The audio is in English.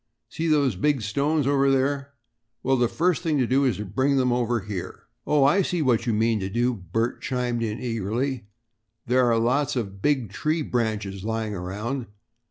"See those big stones over there? Well, the first thing to do is to bring them over here." "Oh, I see what you mean to do," Bert chimed in eagerly. "There are lots of big tree branches lying around.